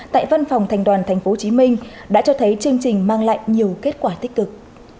tại văn phòng thành đoàn tp hcm đã cho thấy chương trình mang lại nhiều kết quả tích cực